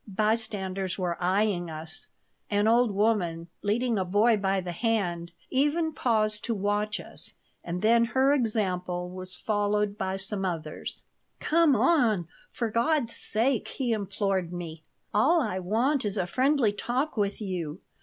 Bystanders were eying us. An old woman, leading a boy by the hand, even paused to watch us, and then her example was followed by some others "Come on, for God's sake!" he implored me. "All I want is a friendly talk with you.